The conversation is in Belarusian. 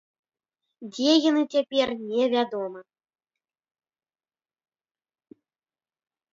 Дзе яны цяпер, невядома.